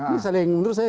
ini saling menurut saya